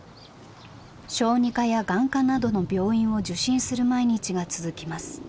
小児科や眼科などの病院を受診する毎日が続きます。